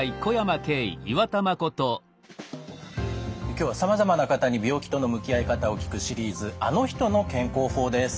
今日はさまざまな方に病気との向き合い方を聞くシリーズ「あの人の健康法」です。